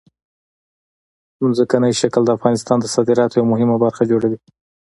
ځمکنی شکل د افغانستان د صادراتو یوه مهمه برخه جوړوي.